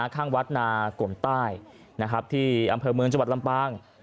ข้างวัดนากลมใต้ที่อำเภอเมืองจังหวัดลำปาง